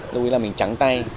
lưu ý là mình trắng tay